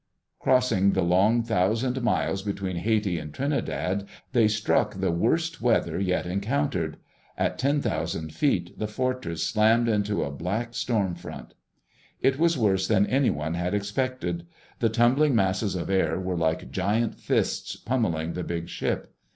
Crossing the long thousand miles between Haiti and Trinidad they struck the worst weather yet encountered. At ten thousand feet the Fortress slammed into a black storm front. It was worse than anyone had expected. The tumbling masses of air were like giant fists pummeling the big ship.